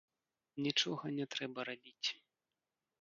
Нічога не трэба рабіць.